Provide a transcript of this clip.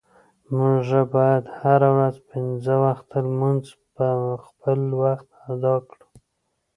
مونږه باید هره ورځ پنځه وخته مونز په خپل وخت اداء کړو.